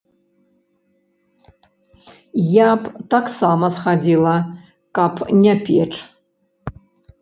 Я б таксама схадзіла, каб не печ.